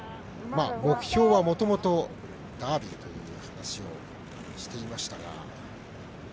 目標はもともとダービーという話をしていました。